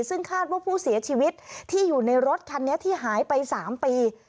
ซึ่งคาดว่าผู้เสียชีวิตที่อยู่ในรถคันนี้ที่หายไป๓ปี